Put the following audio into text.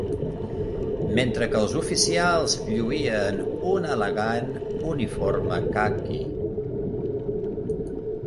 Mentre que els oficials lluïen un elegant uniforme caqui